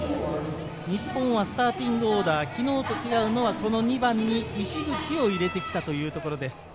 日本はスターティングオーダー、昨日と違うのは２番に市口を入れてきたというところです。